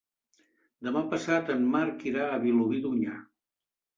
Demà passat en Marc irà a Vilobí d'Onyar.